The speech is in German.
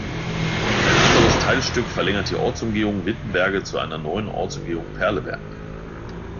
Ein anderes Teilstück verlängert die Ortsumgehung Wittenberge zu einer neuen Ortsumgehung Perleberg.